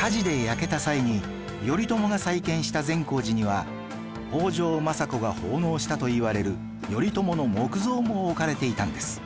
火事で焼けた際に頼朝が再建した善光寺には北条政子が奉納したといわれる頼朝の木像も置かれていたんです